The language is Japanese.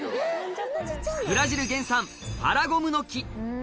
ブラジル原産、パラゴムノキ。